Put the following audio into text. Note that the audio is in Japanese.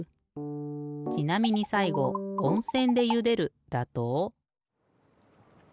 ちなみにさいごおんせんでゆでるだと。